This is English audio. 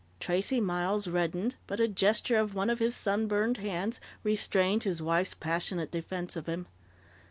Tracey Miles reddened, but a gesture of one of his sunburned hands restrained his wife's passionate defense of him.